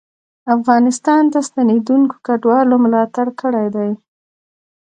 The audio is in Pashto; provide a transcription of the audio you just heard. افغانستان ته ستنېدونکو کډوالو ملاتړ کړی دی